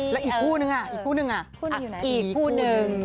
แล้วอีกผู้นึงอะอีกผู้หนึ่ง